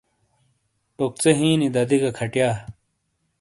ٹُوکژے ہِیں نی دادی گہ کھَٹِیا۔